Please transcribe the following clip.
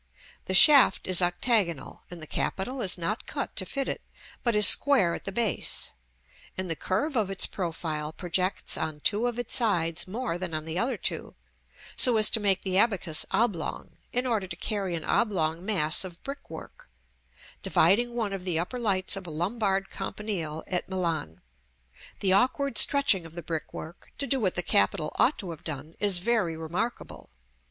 The shaft is octagonal, and the capital is not cut to fit it, but is square at the base; and the curve of its profile projects on two of its sides more than on the other two, so as to make the abacus oblong, in order to carry an oblong mass of brickwork, dividing one of the upper lights of a Lombard campanile at Milan. The awkward stretching of the brickwork, to do what the capital ought to have done, is very remarkable.